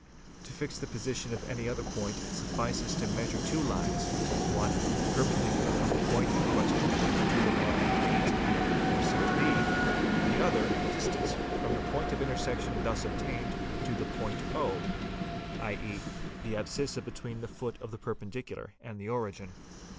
To fix the position of any other point it suffices to measure two lines: one, the perpendicular from the point in question to the line a b or ed, the other the distance from the point of intersection thus obtained to the point o (i.e., the abscissa between the foot of the perpendicular and the origin).